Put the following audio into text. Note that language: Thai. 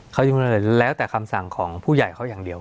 เขายังแล้วแต่คำสั่งของผู้ใหญ่เขาอย่างเดียว